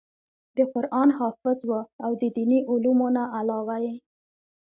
د قران حافظ وو او د ديني علومو نه علاوه ئې